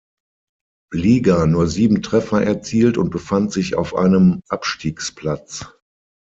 Liga nur sieben Treffer erzielt und befand sich auf einem Abstiegsplatz.